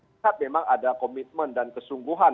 kita memang ada komitmen dan kesungguhan